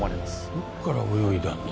どこから泳いだんだ？